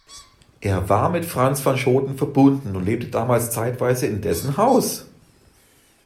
Er war mit Frans van Schooten verbunden und lebte damals zeitweise in dessen Haus.